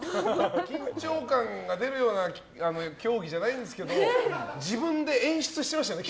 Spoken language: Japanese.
緊張感が出るような競技じゃないんですけど自分で演出してましたよね